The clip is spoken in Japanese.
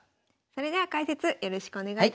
それでは解説よろしくお願いいたします。